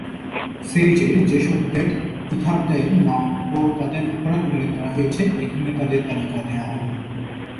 সিরিজে যেসব ডেথ ইটারদের নাম ও তাদের অপরাধ উল্লেখ করা হয়েছে, এখানে তাদের তালিকা দেওয়া হলঃ